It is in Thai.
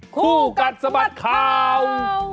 คู่กันสมัครข่าว